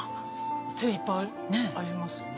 手いっぱいありますよ。